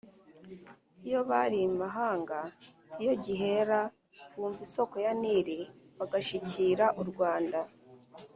iyo bari imahanga, iyo gihera, bumva isoko ya nili bagashikira u rwanda